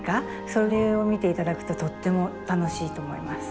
それを見て頂くととっても楽しいと思います。